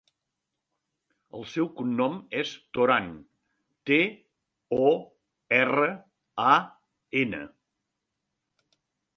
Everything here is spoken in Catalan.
El seu cognom és Toran: te, o, erra, a, ena.